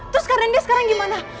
terus karen dia sekarang gimana